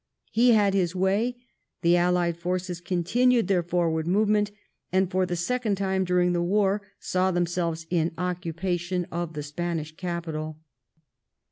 He had his way, the allied forces continued their forward movement, and for the second time during the war, saw themselves in occupation of the Spanish capital.